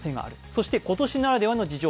そして今年ならではの事情